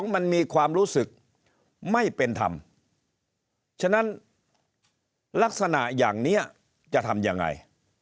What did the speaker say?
มันมีความรู้สึกไม่เป็นธรรมฉะนั้นลักษณะอย่างนี้จะทำยังไง